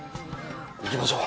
行きましょう。